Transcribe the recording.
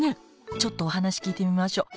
ちょっとお話聞いてみましょう。